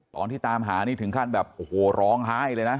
ตามหานี่ถึงขั้นแบบโอ้โหร้องไห้เลยนะ